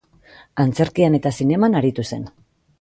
Antzerkian eta zineman aritu zen.